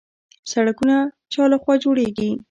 سړکونه چا لخوا جوړیږي؟